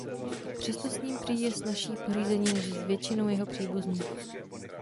Přesto s ním prý je snazší pořízení než s většinou jeho příbuzných.